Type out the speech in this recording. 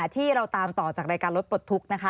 ที่เราตามต่อจากรายการรถปลดทุกข์นะคะ